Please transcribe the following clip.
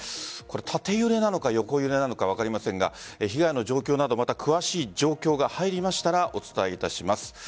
縦揺れなのか横揺れなのか分かりませんが被害の状況など詳しい状況が入りましたらお伝えいたします。